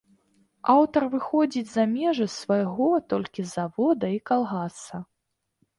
Аўтар выходзіць за межы свайго толькі завода і калгаса.